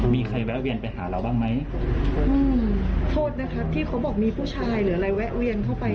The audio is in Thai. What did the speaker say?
มีใครแวะเวียนไปหาเราบ้างไหมอืมโทษนะคะที่เขาบอกมีผู้ชายหรืออะไรแวะเวียนเข้าไป